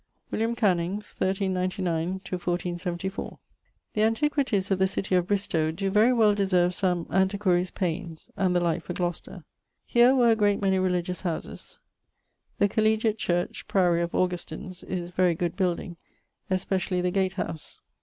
=William Canynges= (1399 1474). The antiquities of the city of Bristowe doe very well deserve some antiquarie's paines (and the like for Gloucester). Here were a great many religious houses. The collegiate church (priorie of Augustines) is very good building, especially the gate house.